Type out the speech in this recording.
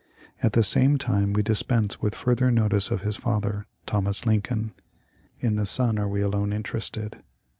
At the same time we dispense with further notice of his father, Thomas Lincoln. In the son are we alone inter ested.